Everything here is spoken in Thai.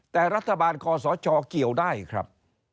แต่ว่ารัฐบาลคชยุ่งได้ครับ